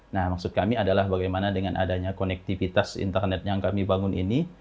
nah maksud kami adalah bagaimana dengan adanya konektivitas internet yang kami bangun ini